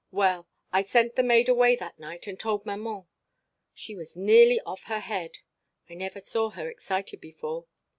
"Well, I sent the maid away that night and told maman. She was nearly off her head. I never saw her excited before.